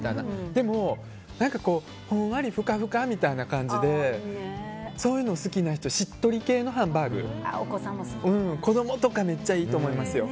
でも、ふんわりふかふかでそういうの好きな人しっとり系のハンバーグ子供とかめっちゃいいと思いますよ。